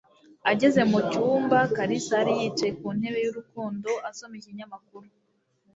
Ageze mu cyumba, Kalisa yari yicaye ku ntebe y'urukundo asoma ikinyamakuru.